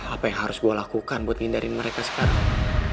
apa yang harus gue lakukan buat ngindarin mereka sekarang